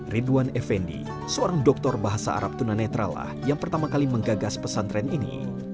ridwan effendi seorang doktor bahasa arab tunanetralah yang pertama kali menggagas pesantren ini